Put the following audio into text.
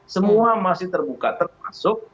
semua masih terbuka termasuk